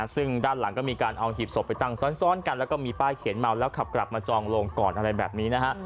ซึ่งด้านหลังก็มีการเอาหีบศพไปตั้งซ้อนกันแล้วก็มีป้ายเขียนเมาแล้วขับกลับมาจองลงก่อนอะไรแบบนี้นะฮะ